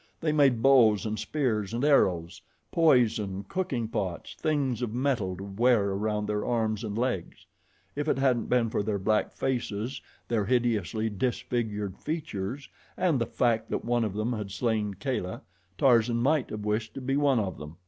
They made bows and spears and arrows, poison, cooking pots, things of metal to wear around their arms and legs. If it hadn't been for their black faces, their hideously disfigured features, and the fact that one of them had slain Kala, Tarzan might have wished to be one of them.